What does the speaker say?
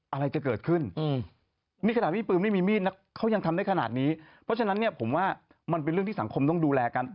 อะไรจะเกิดขึ้นนี่ขนาดมีปืนไม่มีมีดนะเขายังทำได้ขนาดนี้เพราะฉะนั้นเนี่ยผมว่ามันเป็นเรื่องที่สังคมต้องดูแลกัน